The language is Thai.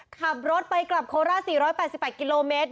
ขับรถไปกลับโคราช๔๘๘กิโลเมตร